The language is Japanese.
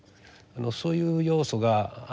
そういう要素がある。